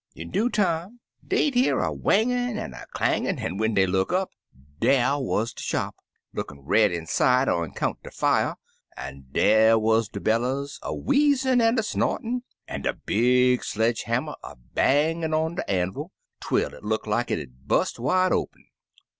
In de due time, dey'd hear a whangin' an' a clangin', an' when dey'd look up, dar wuz de shop, lookin' red inside on 'count de fier, an' dar wiiz de bellus a wheezin' an' a snortin', an' de big sledge hammer a bang in' on de anvil, twel it look like it'd bust it wide open.